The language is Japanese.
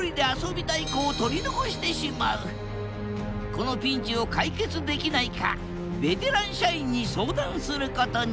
このピンチを解決できないかベテラン社員に相談することに